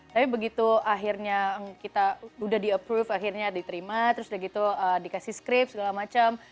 tapi begitu akhirnya kita udah di approve akhirnya diterima terus udah gitu dikasih script segala macam